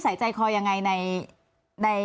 ใส่ใจคอยังไง